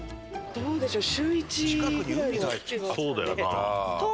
どうでしょう。